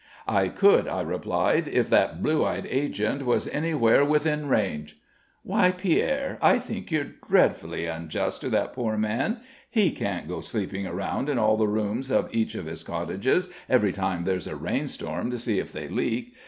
"I could," I replied, "if that blue eyed agent was anywhere within range." "Why, Pierre, I think you're dreadfully unjust to that poor man. He can't go sleeping around in all the rooms of each of his cottages every time there's a rainstorm, to see if they leak.